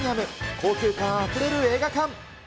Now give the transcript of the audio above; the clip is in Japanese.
高級感あふれる映画館。